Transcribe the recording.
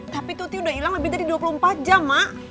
tapi tuti udah hilang lebih dari dua puluh empat jam mak